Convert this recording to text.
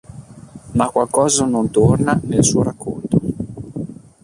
Ma qualcosa non torna nel suo racconto.